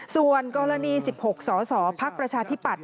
ส่วนกรณี๑๖สสพักประชาธิปัตย